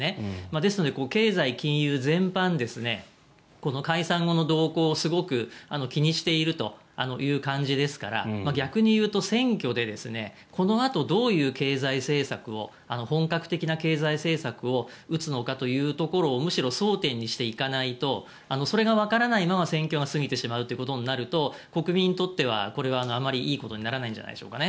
ですので、経済・金融全般解散後の動向をすごく気にしているという感じですから逆にいうと、選挙でこのあとどういう経済政策を本格的な経済政策を打つのかというところをむしろ争点にしていかないとそれがわからないまま選挙が過ぎてしまうということになるとポッポー。